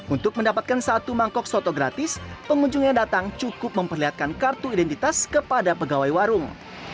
untuk mendapatkan satu mangkok soto gratis pengunjung yang datang cukup memperlihatkan kartu identitas kepada pegawai warung